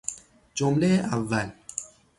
جمله اول.